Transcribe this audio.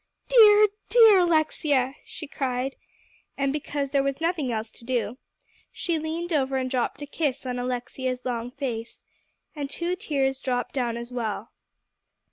"Dear, dear Alexia," she cried; and because there was nothing else to do, she leaned over and dropped a kiss on Alexia's long face, and two tears dropped down as well.